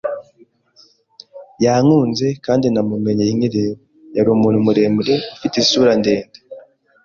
yankunze, kandi namumenye nkireba. Yari umuntu muremure ufite isura ndende,